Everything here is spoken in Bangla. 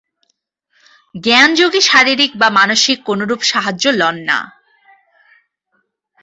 জ্ঞানযোগী শারীরিক বা মানসিক কোনরূপ সাহায্য লন না।